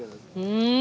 うん。